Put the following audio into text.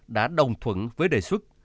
đã đồng thuận với đề xuất